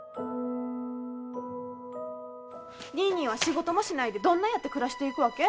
ニーニーは仕事もしないでどんなやって暮らしていくわけ？